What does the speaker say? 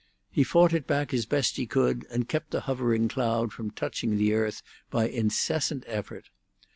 He fought it back as best he could, and kept the hovering cloud from touching the earth by incessant effort.